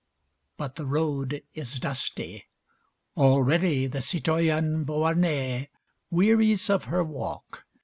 But the road is dusty. Already the Citoyenne Beauharnais wearies of her walk.